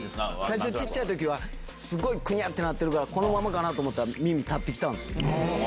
小っちゃい時すごいクニャってなってるからこのままかなと思ったら耳立ってきたんすよ。